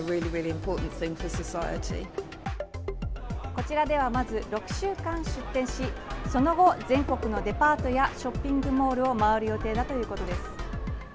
こちらでは、まず６週間出店しその後、全国のデパートやショッピングモールを回る予定だということです。